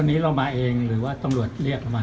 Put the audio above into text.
วันนี้เรามาเองหรือว่าตำรวจเรียกเรามา